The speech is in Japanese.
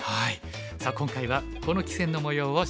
さあ今回はこの棋戦のもようを紹介します。